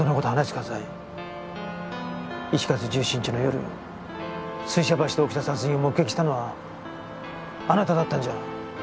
１月１７日の夜水車橋で起きた殺人を目撃したのはあなただったんじゃ。